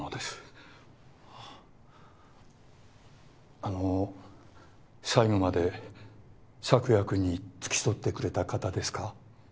あの最後まで朔也君に付き添ってくれた方ですか？